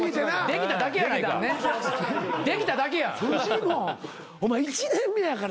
できただけです。